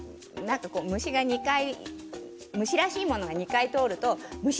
虫が２回、虫らしいものが２回通ると。